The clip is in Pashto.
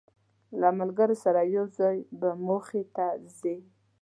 له ملګرو سره یو ځای به موخې ته ځی.